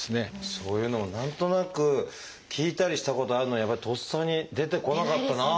そういうのを何となく聞いたりしたことあるのにやっぱりとっさに出てこなかったなあ。